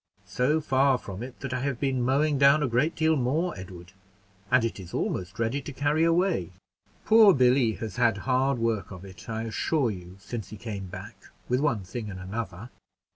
"So far from it, that I have been mowing down a great deal more, Edward, and it is almost ready to carry away. Poor Billy has had hard work of it, I assure you, since he came back, with one thing and another."